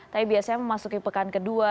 tapi biasanya memasuki pekan kedua